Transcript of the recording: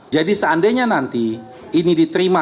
jadi seandainya nanti ini diterima